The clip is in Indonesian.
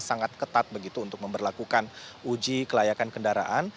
sangat ketat begitu untuk memperlakukan uji kelayakan kendaraan